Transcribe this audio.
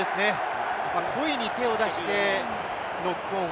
故意に手を出してノックオン。